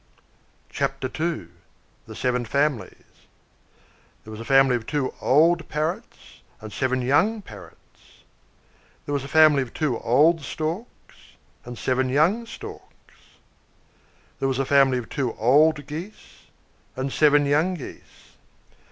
CHAPTER II. THE SEVEN FAMILIES. There was a family of two old Parrots and seven young Parrots. There was a family of two old Storks and seven young Storks. There was a family of two old Geese and seven young Geese.